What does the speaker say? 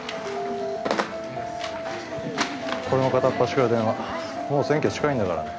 ・これも片っ端から電話もう選挙近いんだからね。